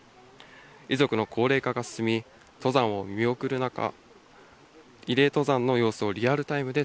遺族の高齢化が進み、登山を見送る中、慰霊登山の様子をリアルタイムで